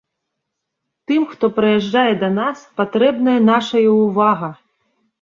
Тым, хто прыязджае да нас, патрэбная нашая ўвага!